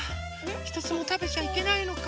ひとつもたべちゃいけないのか。